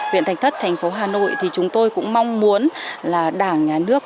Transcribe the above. viện thành thất thành phố hà nội thì chúng tôi cũng mong muốn là đảng nhà nước